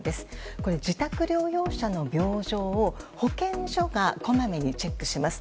これ、自宅療養者の病状を保健所がこまめにチェックします。